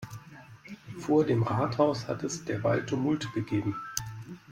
Vor dem Rathaus hat es derweil Tumulte gegeben.